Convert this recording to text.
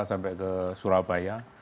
sampai ke surabaya